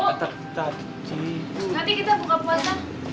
nanti kita buka puasa